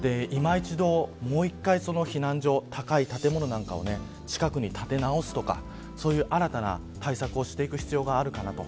今一度避難所、高い建物なんかを近くに建て直すとかそういった新たな対策をする必要があるかなと。